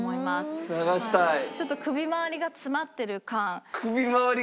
ちょっと首回りがつまってる感。